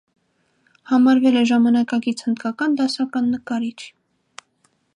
Համարվել է ժամանակակից հնդկական դասական նկարիչ։